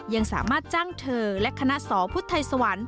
ยังสามารถจ้างเธอและคณะสอพุทธไทยสวรรค์